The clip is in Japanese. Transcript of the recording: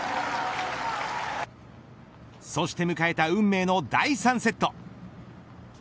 そして迎えた運命の第３セット。